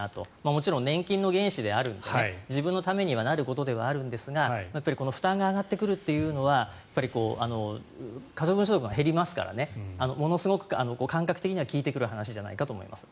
もちろん年金の原資であるので自分のためになることではあるんですが負担が上がってくるというのは可処分所得が減りますからものすごく感覚的には効いてくる話だと思います。